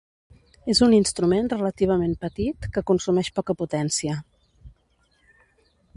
És un instrument relativament petit que consumeix poca potència.